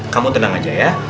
kamu tenang aja ya